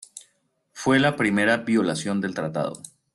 Fue la primera violación del tratado.